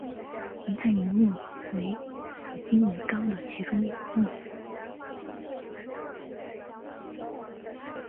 银汉鱼目为辐鳍鱼纲的其中一目。